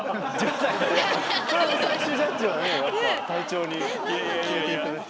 最終ジャッジはねやっぱ隊長に決めていただきたいです。